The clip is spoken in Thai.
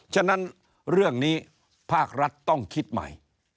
ฉะนั้นเรื่องนี้ภาครัฐต้องคิดใหม่